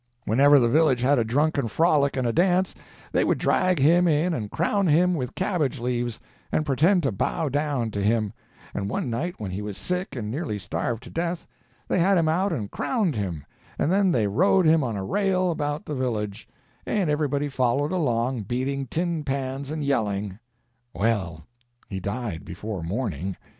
Whenever the village had a drunken frolic and a dance, they would drag him in and crown him with cabbage leaves, and pretend to bow down to him; and one night when he was sick and nearly starved to death, they had him out and crowned him, and then they rode him on a rail about the village, and everybody followed along, beating tin pans and yelling. Well, he died before morning.